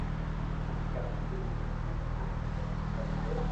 ڪراچي مي ھون ڪوم ڪرتو